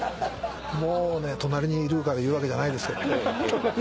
もう隣にいるから言うわけじゃないですけど。